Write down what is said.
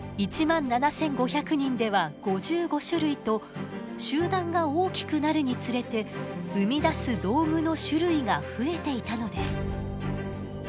１万７，５００人では５５種類と集団が大きくなるにつれて生み出す道具の種類が増えていたのです。